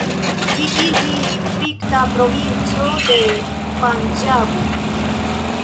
Ĝi iĝis distrikta provinco de Panĝabo.